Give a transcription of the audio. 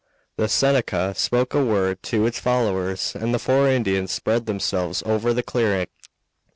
The Seneca spoke a word to his followers and the four Indians spread themselves over the clearing.